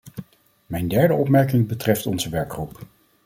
Mijn derde opmerking betreft onze werkgroep.